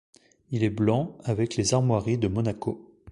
Il est blanc avec les armoiries de Monaco.